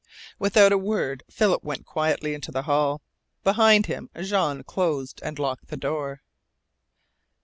Without a word Philip went quietly out into the hall. Behind him Jean closed and locked the door.